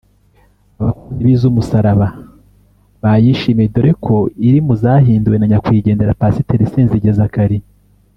abakunzi b’iz’umusaraba bayishimiye dore ko iri mu zahinduwe na nyakwigendera Pasiteri Senzige Zacharie